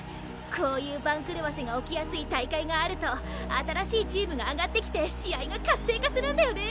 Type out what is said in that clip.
こういう番狂わせが起きやすい大会があると新しいチームが上がってきて試合が活性化するんだよね！